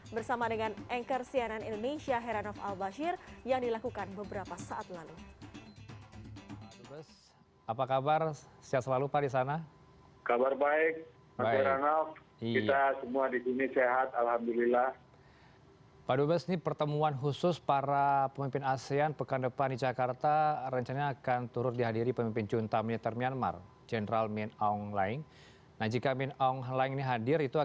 bersama dengan anchor cnn indonesia heranov al bashir yang dilakukan beberapa saat lalu